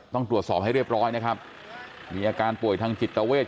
ต้องตรวจสอบให้เรียบร้อยนะครับมีอาการป่วยทางจิตเวท